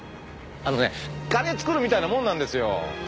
あのねカレー作るみたいなもんなんですよ。